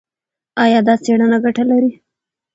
ایا دا څېړنه ګټه لري؟